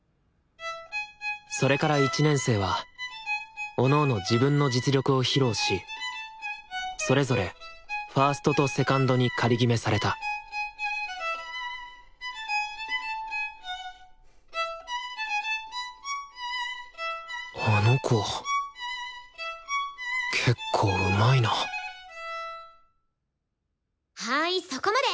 それから１年生はおのおの自分の実力を披露しそれぞれファーストとセカンドに仮決めされたあの子けっこううまいなはいそこまで。